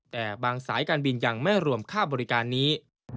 แต่บางสายการบินยังไม่รวมค่าบริการนี้